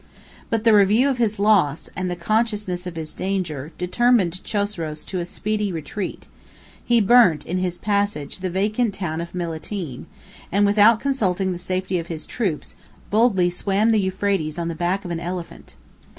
But the review of his loss, and the consciousness of his danger, determined Chosroes to a speedy retreat: he burnt, in his passage, the vacant town of Melitene; and, without consulting the safety of his troops, boldly swam the Euphrates on the back of an elephant.